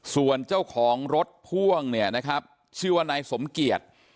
ส่วนเจ้าของรถพ่วงเนี่ยนะครับชื่อว่านายสมเกียจ